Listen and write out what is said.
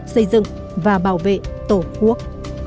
xây dựng và bảo vệ tổ quốc